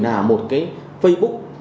là một cái facebook